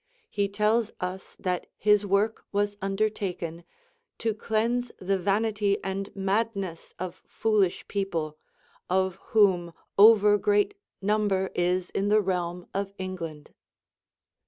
He tells us that his work was undertaken "to cleanse the vanity and madness of foolish people, of whom over great number is in the Realm of England."